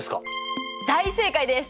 大正解です。